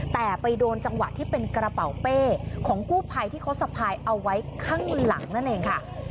แต่ไปโดนจังหวะที่เป็นกระเป๋าเป้ของกู้ภัยที่เขาสะพายเอาไว้ข้างหลังนั่นเองค่ะ